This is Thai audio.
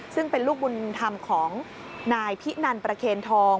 ซึ่งเป็นลูกบุญธรรมของนายพินันประเคนทอง